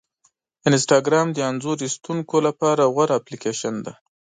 انسټاګرام د انځور ایستونکو لپاره غوره اپلیکیشن دی.